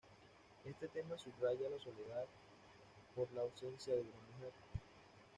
Este tema subraya la soledad por la ausencia de una mujer.